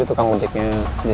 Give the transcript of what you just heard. ya allah semoga semuanya lancar